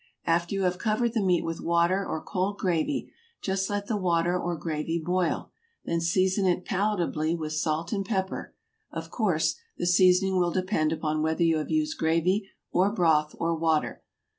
After you have covered the meat with water or cold gravy just let the water or gravy boil, then season it palatably with salt and pepper; of course, the seasoning will depend upon whether you have used gravy or broth or water.